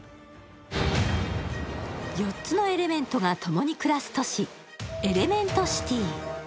４つのエレメントがともに暮らす都市、エレメント・シティ。